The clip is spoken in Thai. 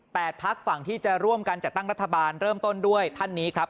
พักฝั่งที่จะร่วมกันจัดตั้งรัฐบาลเริ่มต้นด้วยท่านนี้ครับ